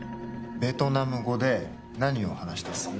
ベトナム語で何を話したの？